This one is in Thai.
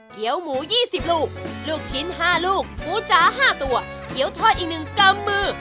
เกี้ยวหมู๒๐ลูกลูกชิ้น๕ลูกปูจ๋า๕ตัวเกี้ยวทอดอีกหนึ่งกำมือ